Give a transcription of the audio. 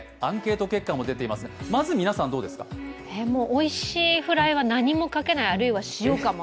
おいしいフライは何もかけない、あるいは塩かも。